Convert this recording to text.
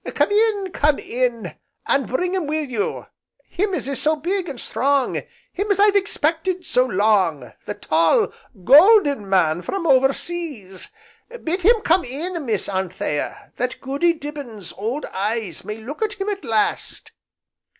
Come in! come in! and bring him wi' you, him as is so big, and strong, him as I've expected so long, the tall, golden man from over seas. Bid him come in, Miss Anthea, that Goody Dibbin's old eyes may look at him at last."